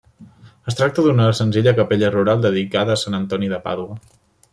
Es tracta d'una senzilla capella rural dedicada a Sant Antoni de Pàdua.